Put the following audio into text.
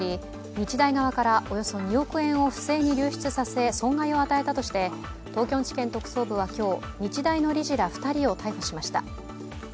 日大側からおよそ２億円を不正に流出させ損害を与えたとして東京地検特捜部は今日日大の理事ら２人を逮捕しました。